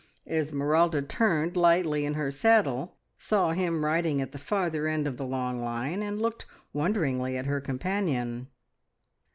Esmeralda turned lightly in her saddle, saw him riding at the farther end of the long line, and looked wonderingly at her companion.